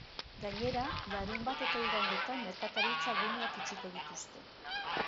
Gainera, larunbat eta igandetan merkataritza guneak itxiko dituzte.